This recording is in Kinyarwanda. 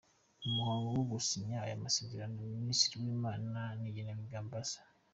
Mu muhango wo gusinya aya masezerano, Minisitiri w’imari n’igenamigambi, Amb.